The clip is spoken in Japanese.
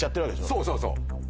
そうそうそう！